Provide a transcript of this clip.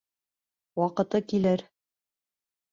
Ваҡыты килер.